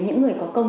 những người có công